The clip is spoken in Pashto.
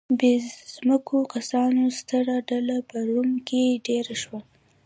بې ځمکو کسانو ستره ډله په روم کې دېره شوه